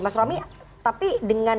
mas romi tapi dengan